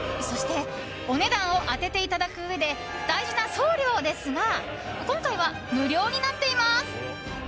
そしてお値段を当てていただくうえで大事な送料ですが今回は無料になっています。